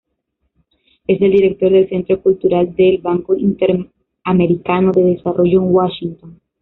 Es el director del Centro Cultural del Banco Interamericano de Desarrollo, en Washington.